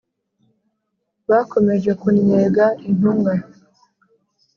Bakomeje kunnyega intumwa